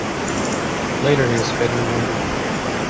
Later he was fatally wounded.